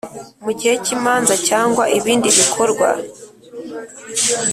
Mu gihe cy imanza cyangwa ibindi bikorwa